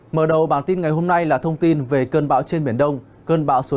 mở đầu bản tin ngày hôm nay là thông tin về cơn bão trên biển đông cơn bão số chín